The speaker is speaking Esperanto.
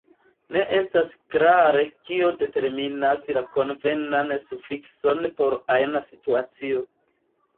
Ne estas klare kio determinas la konvenan sufikson por ajna situacio.